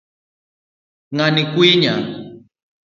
Ng'ani kwinya.